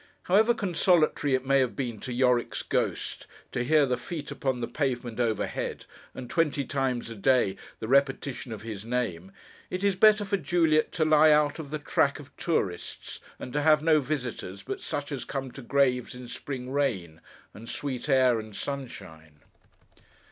However consolatory it may have been to Yorick's Ghost, to hear the feet upon the pavement overhead, and, twenty times a day, the repetition of his name, it is better for Juliet to lie out of the track of tourists, and to have no visitors but such as come to graves in spring rain, and sweet air, and sunshine.